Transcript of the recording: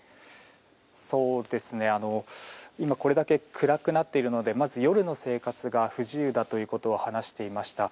今、これだけ暗くなっているので夜の生活が不自由だということを話していました。